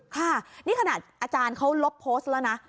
ค่ะนี่ขนาดอาจารย์เขาลบโพสต์แล้วนะ